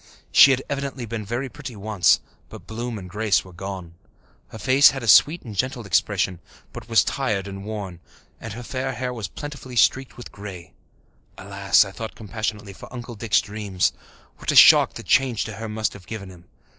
She had evidently been very pretty once, but bloom and grace were gone. Her face had a sweet and gentle expression, but was tired and worn, and her fair hair was plentifully streaked with grey. Alas, I thought compassionately, for Uncle Dick's dreams! What a shock the change to her must have given him!